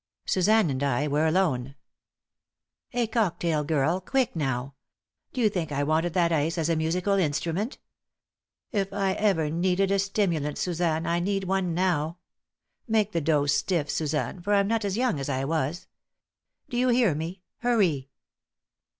Suzanne and I were alone. "A cocktail, girl. Quick, now! Do you think I wanted that ice as a musical instrument? If I ever needed a stimulant, Suzanne, I need one now. Make the dose stiff, Suzanne, for I'm not as young as I was. Do you hear me? Hurry!"